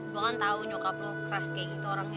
gue nggak tahu nyokap lo keras kayak gitu orangnya